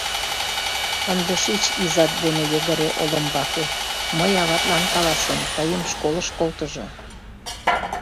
— Ынде шич изат дене йыгыре олымбаке, мый аватлан каласем, тыйым школыш колтыжо.